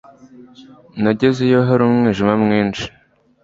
Nagezeyo hari umwijima mwinshi